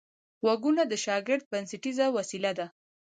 غوږونه د شاګرد بنسټیزه وسیله ده